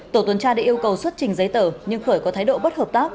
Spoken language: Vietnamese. tổ tuần tra đã yêu cầu xuất trình giấy tờ nhưng khởi có thái độ bất hợp tác